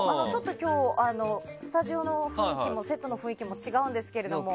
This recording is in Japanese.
今日、スタジオの雰囲気もセットの雰囲気も違うんですけれども。